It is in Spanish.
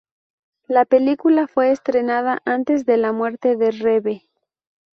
La película fue estrenada antes de la muerte de Reeve.